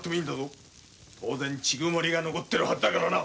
血曇りが残っているはずだからな。